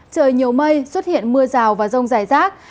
trời nhiều mây xuất hiện mưa rào và rông rải rác